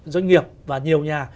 doanh nghiệp và nhiều nhà